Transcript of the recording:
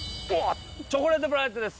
チョコレートプラネットです。